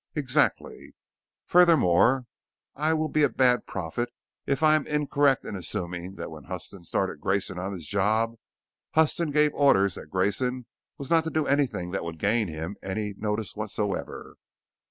"Exactly." "Furthermore I will be a bad prophet if I am incorrect in assuming that when Huston started Grayson on his job, Huston gave orders that Grayson was not to do anything that would gain him any notice whatsoever.